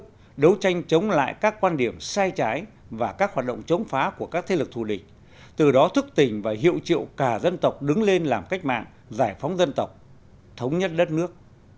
đấu tranh chống lại các quan điểm sai trái và các hoạt động chống phá của các thế lực thù địch từ đó thức tình và hiệu triệu cả dân tộc đứng lên làm cách mạng giải phóng dân tộc thống nhất đất nước